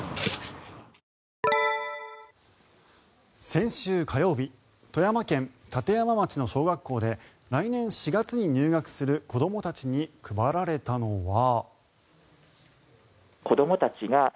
先週火曜日富山県立山町の小学校で来年４月に入学する子どもたちに配られたのは。